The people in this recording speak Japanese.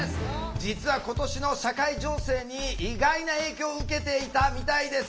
実は今年の社会情勢に意外な影響を受けていたみたいです。